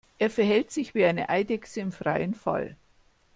Er verhält sich wie eine Eidechse im freien Fall.